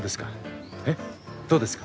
どうですか？